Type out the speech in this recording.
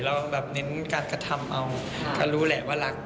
เราแบบเน้นการกระทำเอาก็รู้แหละว่ารัก